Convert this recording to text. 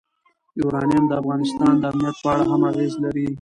یورانیم د افغانستان د امنیت په اړه هم اغېز لري.